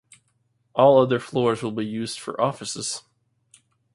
All other floors will be used for offices.